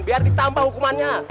biar ditambah hukumannya